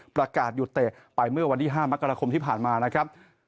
ประกาศหยุดเตะไปเมื่อวันที่๕มกราคมที่ผ่านมานะครับ